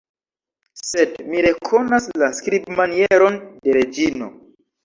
Sed mi rekonas la skribmanieron de Reĝino!